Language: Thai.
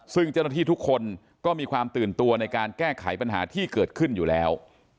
ซึ่งเจ้าหน้าที่ทุกคนก็มีความตื่นตัวในการแก้ไขปัญหาที่เกิดขึ้นอยู่แล้ว